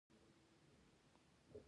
بزگر سږ کال سیاليوان نه لري.